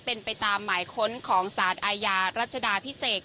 เป็นไปตามหมายค้นของสารอาญารัชดาพิเศษ